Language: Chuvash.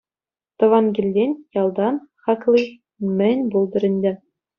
Тӑван килтен, ялтан хакли мӗн пултӑр ӗнтӗ.